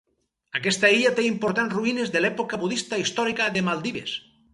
Aquesta illa té importants ruïnes de l'època budista històrica de Maldives.